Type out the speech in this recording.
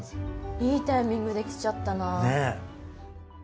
いいタイミングで来ちゃったな。ねぇ。